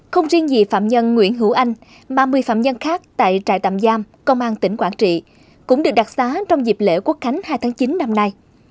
không riêng gì phạm nhân nguyễn hữu anh mà một mươi phạm nhân khác tại trại tạm giam công an tỉnh quảng trị cũng được đặc xá trong dịp lễ quốc khánh hai tháng chín năm nay